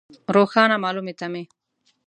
روښانه مالومې تمې.